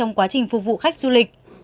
trong quá trình phục vụ khách du lịch